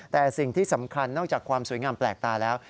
แต่สิ่งที่สำคัญนอกจากความสวยงามแปลกตาแล้ว